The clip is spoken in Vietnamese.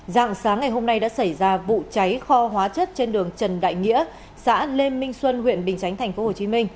dạng sáng ngày hôm nay đã xảy ra vụ cháy kho hóa chất trên đường trần đại nghĩa xã lê minh xuân huyện bình chánh tp hcm